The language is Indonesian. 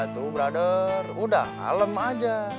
sudah tenang saja